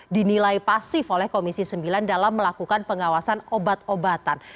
dinilai pasif oleh komisi sembilan dalam melakukan pengawasan obat obatan